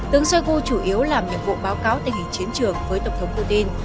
tướng shoigu chủ yếu làm nhiệm vụ báo cáo tình hình chiến trường với tổng thống putin